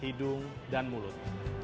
hidung dan mulut